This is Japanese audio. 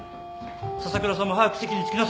笹倉さんも早く席に着きなさい。